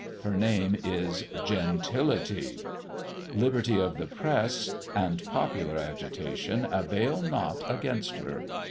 Her name is Gentility! Liberty of the Press and popular agitation avail not against her.